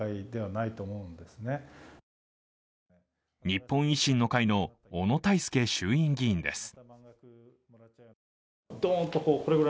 日本維新の会の小野泰輔衆院議員です。